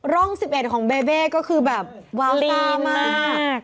ร่อง๑๑ของเบเบ้ก็คือแบบวาวต้ามาก